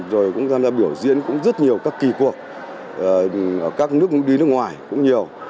rồi cũng tham gia biểu diễn cũng rất nhiều các kỳ cuộc ở các nước đi nước ngoài cũng nhiều